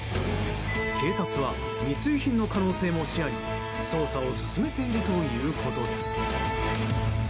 警察は密輸品の可能性も視野に捜査を進めているということです。